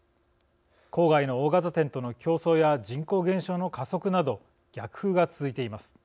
郊外の大型店との競争や人口減少の加速など逆風が続いています。